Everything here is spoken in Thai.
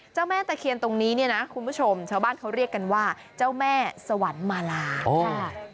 แม่ตะเคียนตรงนี้เนี่ยนะคุณผู้ชมชาวบ้านเขาเรียกกันว่าเจ้าแม่สวรรค์มาลาค่ะ